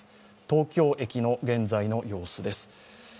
東京駅の現在の様子です。